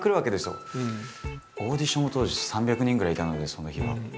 オーディションも当時３００人ぐらいいたのでその日は。